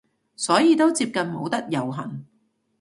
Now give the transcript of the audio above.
所以都接近冇得遊行